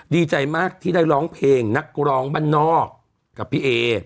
ดีใจมากที่ได้ร้องเพลงนักร้องบ้านนอกกับพี่เอ